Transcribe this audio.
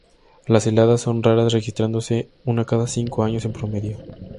Las heladas son raras registrándose una cada cinco años en promedio.